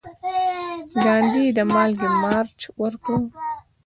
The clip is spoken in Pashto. ګاندي د مالګې مارچ وکړ.